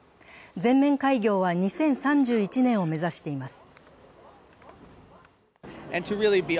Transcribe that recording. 全面開業は２０３１年を目指しています。